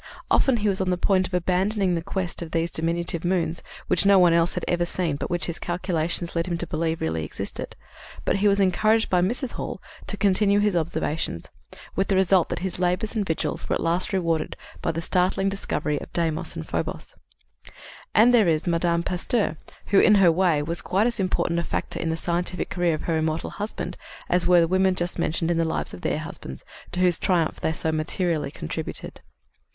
Often he was on the point of abandoning the quest of these diminutive moons which no one had ever seen but which his calculations led him to believe really existed but he was encouraged by Mrs. Hall to continue his observations, with the result that his labors and vigils were at last rewarded by the startling discovery of Deimos and Phobos. And there is Mme. Pasteur, who, in her way, was quite as important a factor in the scientific career of her immortal husband as were the women just mentioned in the lives of their husbands, to whose triumphs they so materially contributed.